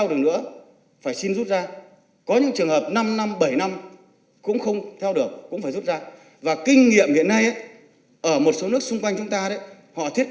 đóng ít thì hưởng ít